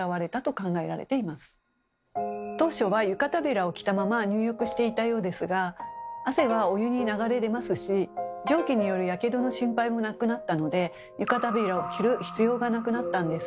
当初は湯帷子を着たまま入浴していたようですが汗はお湯に流れ出ますし蒸気によるヤケドの心配もなくなったので湯帷子を着る必要がなくなったんです。